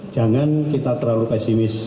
jangan kita terlalu pesimis